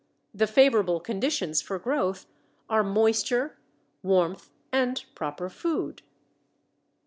The favorable conditions for growth are moisture, warmth, and proper food.